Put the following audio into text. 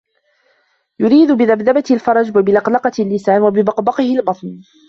يُرِيدُ بِذَبْذَبِهِ الْفَرْجَ ، وَبِلَقْلَقِهِ اللِّسَانَ ، وَبِقَبْقَبِهِ الْبَطْنَ